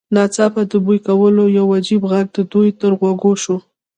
ناڅاپه د بوی کولو یو عجیب غږ د دوی تر غوږ شو